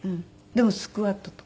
でもスクワットとか。